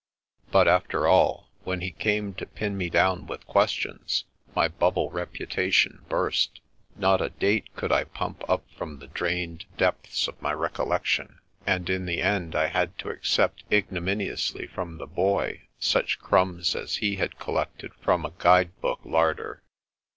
But after all, when he came to pin me down with questions, my bubble reputation burst. Not a date could I pump up from the drained depths of my recollection, and in the end I had to accept ignominiously from the Boy such crumbs as he had collected from a guide book larder.